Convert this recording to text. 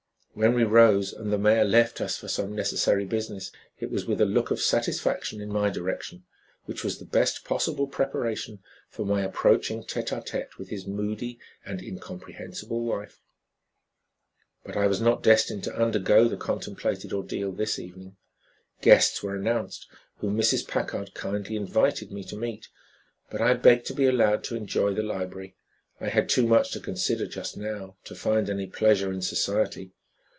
When we rose and the mayor left us for some necessary business it was with a look of satisfaction in my direction which was the best possible preparation for my approaching tete a tete with his moody and incomprehensible wife. But I was not destined to undergo the contemplated ordeal this evening. Guests were announced whom Mrs. Packard kindly invited me to meet, but I begged to be allowed to enjoy the library. I had too much to consider just now, to find any pleasure in society.